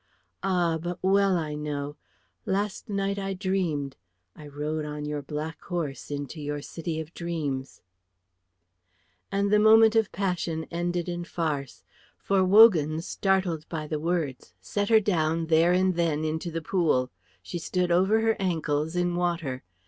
Ah, but well I know. Last night I dreamed; I rode on your black horse into your city of dreams;" and the moment of passion ended in farce. For Wogan, startled by the words, set her down there and then into the pool. She stood over her ankles in water.